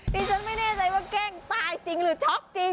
ดิฉันไม่แน่ใจว่าเก้งตายจริงหรือช็อกจริง